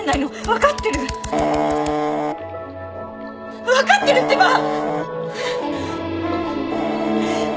分かってるってば！